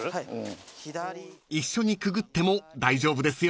［一緒にくぐっても大丈夫ですよ］